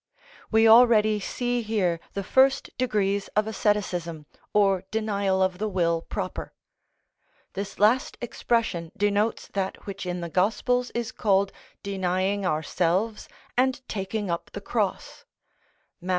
We already see here the first degrees of asceticism, or denial of the will proper. This last expression denotes that which in the Gospels is called denying ourselves and taking up the cross (Matt.